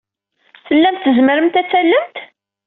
Tellamt tzemremt ad tallemt?